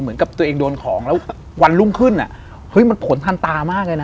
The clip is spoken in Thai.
เหมือนกับตัวเองโดนของแล้ววันรุ่งขึ้นอ่ะเฮ้ยมันผลทันตามากเลยนะ